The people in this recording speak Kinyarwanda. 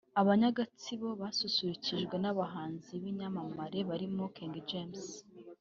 Abanya-Gatsibo basusurukijwe n'abahanzi b'ibyamamare barimo King James